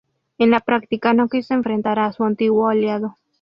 En la práctica no quiso enfrentar a su antiguo aliado.